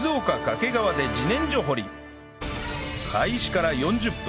開始から４０分